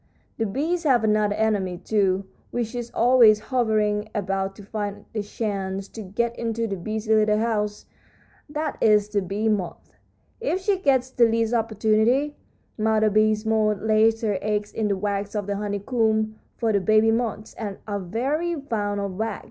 The bees have another enemy, too, which is always hovering about to find a chance to get into the busy little house; that is the bee moth. If she gets the least opportunity Mother Bee Moth lays her eggs in the wax of the honeycomb, for the baby moths are very fond of wax.